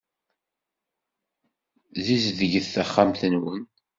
Ssizedget taxxamt-nwen.